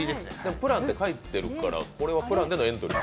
プランって書いてあるから、これはプランでのエントリー？